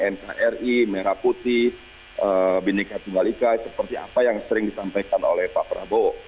nkri merah putih bindika tenggalika seperti apa yang sering disampaikan oleh pak prabowo